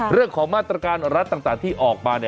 เรื่องของมาตรการรัฐต่างที่ออกมา